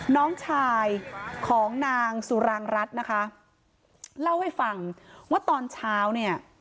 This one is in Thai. น้องชายของนางสุรางรัฐนะคะเล่าให้ฟังว่าตอนเช้าเนี่ย